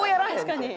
確かに。